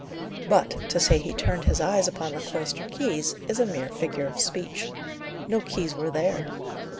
But, to say he turned his eyes upon the cloister keys, is a mere figure of speech. No keys were there.